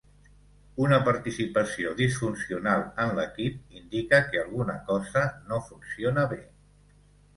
Una participació disfuncional en l’equip indica que alguna cosa no funciona bé.